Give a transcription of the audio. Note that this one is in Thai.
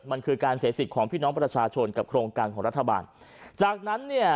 มันคือการเสียสิทธิ์ของพี่น้องประชาชนกับโครงการของรัฐบาลจากนั้นเนี่ย